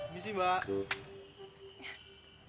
bumi sih mbak